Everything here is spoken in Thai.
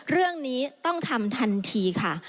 เรื่องนี้ต้องทำทันทีค่ะ